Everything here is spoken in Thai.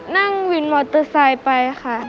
นั่งวินมอเตอร์ไซค์ไปค่ะ